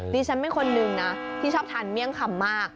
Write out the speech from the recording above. ดิฉันเป็นคนนึงนะที่ชอบทานเมี่ยงคำมาก